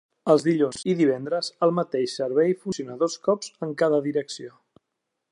Els dilluns i divendres el mateix servei funciona dos cops en cada direcció.